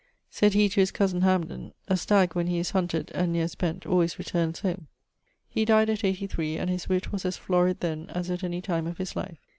Said he, to his cousin Hamden, A stagge, when he is hunted, and neer spent, alwayes returnes home. He dyed at 83, and his witt was as florid then as at any time of his life.